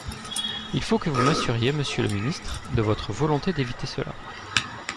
Il faut que vous m’assuriez, monsieur le ministre, de votre volonté d’éviter cela.